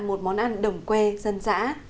một món ăn đồng quê dân dã